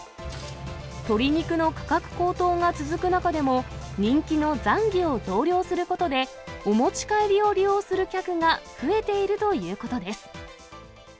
鶏肉の価格高騰が続く中でも、人気のざんぎを増量することで、お持ち帰りを利用する客が増えているということです。